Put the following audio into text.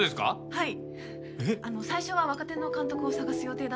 はい。